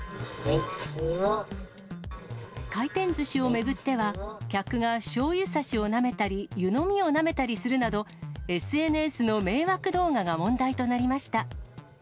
回転ずしを巡っては、客がしょうゆさしをなめたり、湯飲みをなめたりするなど、ＳＮＳの迷惑動画が問題となりました。